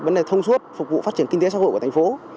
vấn đề thông suốt phục vụ phát triển kinh tế xã hội của thành phố